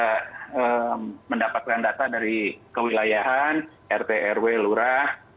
kita mendapatkan data dari kewilayahan rt rw lurah